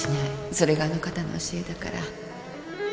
それがあの方の教えだから